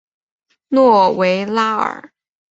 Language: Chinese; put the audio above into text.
诺维拉尔。